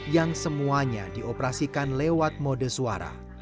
yang semuanya dioperasikan lewat mode suara